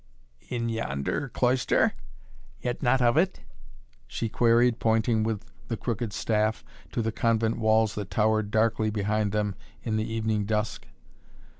"In yonder cloister yet not of it?" she queried, pointing with the crooked staff to the convent walls that towered darkly behind them in the evening dusk.